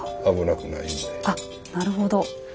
あなるほど。